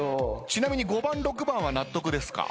ちなみに５番６番納得ですか？